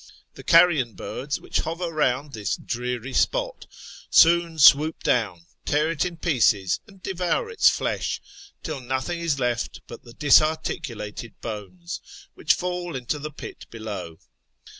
The carrion birds which hover round this dreary spot soon swoop down, tear it in pieces, and devour its flesh, till nothing is left but the disarticulated bones, which fall into the pit below.